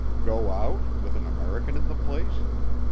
"Go out, with an American in the place?